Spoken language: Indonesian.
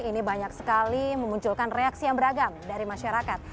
ini banyak sekali memunculkan reaksi yang beragam dari masyarakat